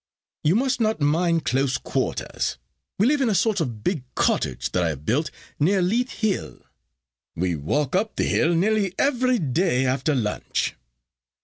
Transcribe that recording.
You must not mind close quarters. We live in a sort of big cottage that I have built near Leith Hill. We walk up the hill nearly every day after lunch.